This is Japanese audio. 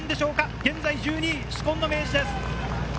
現在１２位、紫紺の明治です。